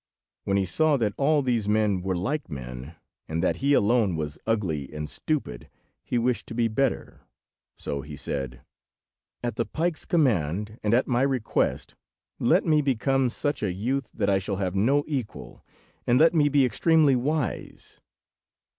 When he saw that all these men were like men, and that he alone was ugly and stupid, he wished to be better, so he said— "At the pike's command, and at my request, let me become such a youth that I shall have no equal, and let me be extremely wise."